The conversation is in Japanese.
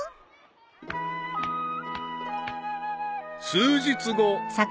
［数日後］